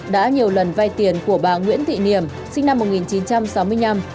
đã nhiều lần vay tiền của bà nguyễn thị niềm sinh năm một nghìn chín trăm sáu mươi năm